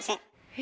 え？